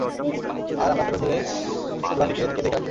আর আমরা ফেরত গেলে ফ্লাফিকে কে দেখে রাখবে?